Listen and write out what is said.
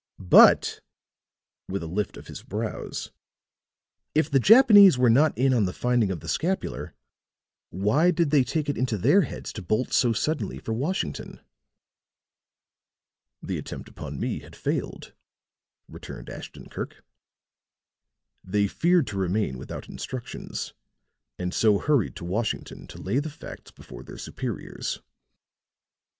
But," with a lift of his brows, "if the Japanese were not in on the finding of the scapular, why did they take it into their heads to bolt so suddenly for Washington?" "The attempt upon me had failed," returned Ashton Kirk. "They feared to remain without instructions, and so hurried to Washington to lay the facts before their superiors.